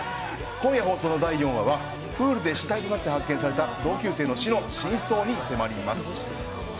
今夜放送の第４話はプールで死体となって発見された同級生の死の真相に迫ります。